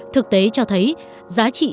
thực tế cho thấy giá trị